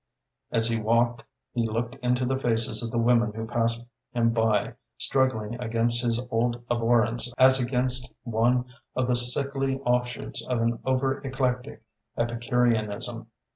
As he walked, he looked into the faces of the women who passed him by, struggling against his old abhorrence as against one of the sickly offshoots of an over eclectic epicureanism.